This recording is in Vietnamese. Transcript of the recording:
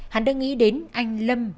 hắn đơn nghĩ đến anh lâm